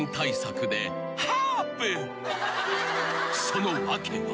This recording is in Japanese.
［その訳は］